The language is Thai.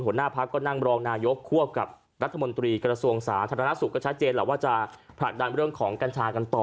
หัวหน้าพักก็นั่งรองนายกควบกับรัฐมนตรีกระทรวงสาธารณสุขก็ชัดเจนแหละว่าจะผลักดันเรื่องของกัญชากันต่อ